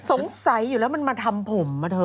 สงสัยอยู่แล้วมันมาทำผมอ่ะเธอ